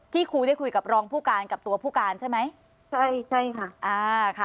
ครูได้คุยกับรองผู้การกับตัวผู้การใช่ไหมใช่ใช่ค่ะอ่าค่ะ